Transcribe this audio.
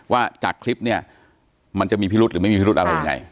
ว่าจากคลิปเนี่ยมันจะมีพิรุษหรือไม่มีพิรุธอะไรยังไง